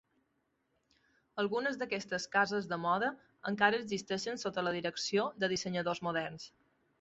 Algunes d'aquestes cases de moda encara existeixen sota la direcció de dissenyadors moderns.